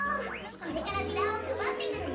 これからビラをくばってくるね！